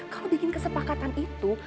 kalau bikin kesepakatan itu